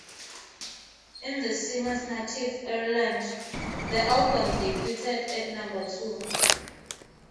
In the singer's native Ireland, the album debuted at number two.